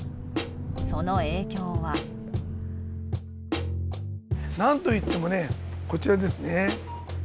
その影響は。何といってもねこちらですね。